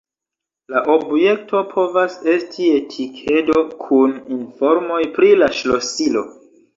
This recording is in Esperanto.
La objekto povas esti etikedo kun informoj pri la ŝlosilo.